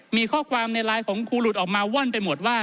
มีข้อความในไลน์ของครูหลุดออกมาว่อนไปหมดว่า